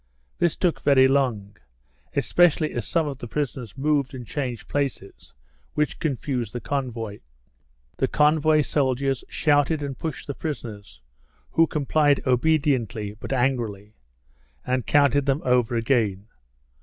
This took very long, especially as some of the prisoners moved and changed places, which confused the convoy. The convoy soldiers shouted and pushed the prisoners (who complied obediently, but angrily) and counted them over again.